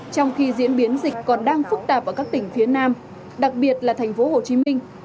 trong khi diễn biến dịch còn đang phức tạp ở các tỉnh phía nam đặc biệt là thành phố hồ chí minh